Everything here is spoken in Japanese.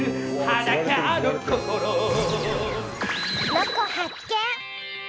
ロコ発見！